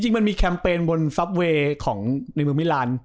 มันมีแคมเปญบนซับเวย์ของในเมืองมิลาน